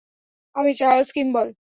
আমি চার্লস কিম্বল।